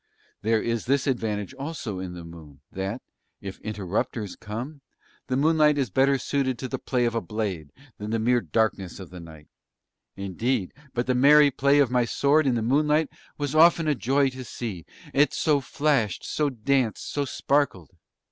There is this advantage also in the moon, that, if interrupters come, the moonlight is better suited to the play of a blade than the mere darkness of night; indeed but the merry play of my sword in the moonlight was often a joy to see, it so flashed, so danced, so sparkled.